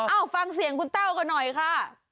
เอ้าฟังเสียงคุณเต้าก่อนหน่อยค่ะ